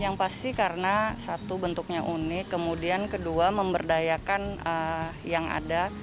yang pasti karena satu bentuknya unik kemudian kedua memberdayakan yang ada